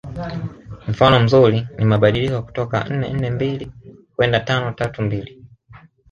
Mfano mzuri ni mabadiliko kutoka nne nne mbili kwenda tano tatu mbili